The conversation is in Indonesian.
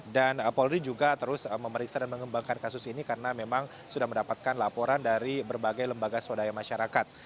dan paul ri juga terus memeriksa dan mengembangkan kasus ini karena memang sudah mendapatkan laporan dari berbagai lembaga swadaya masyarakat